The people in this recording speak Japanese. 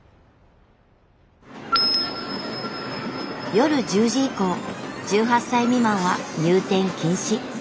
夜１０時以降１８歳未満は入店禁止。